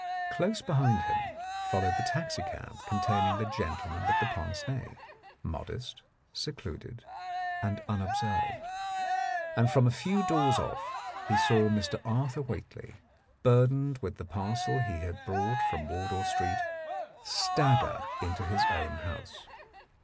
Close behind him followed the taxicab containing the gentleman with pince nez, modest, secluded, and unobserved. And from a few doors off he saw Mr. Arthur Whately, burdened with the parcel he had brought from Wardour Street, stagger into his own house.